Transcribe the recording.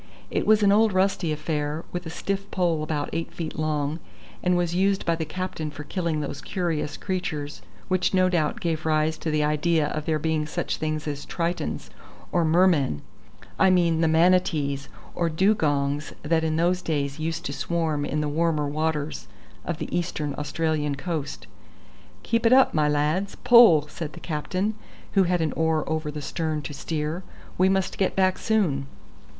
It was an old rusty affair, with a stiff pole about eight feet long, and was used by the captain for killing those curious creatures which no doubt gave rise to the idea of there being such things as tritons or mermen I mean the manatees or dugongs that in those days used to swarm in the warmer waters of the Eastern Australian coast. "Keep it up, my lads; pull!" said the captain, who had an oar over the stern to steer. "We must get back soon."